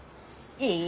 いい？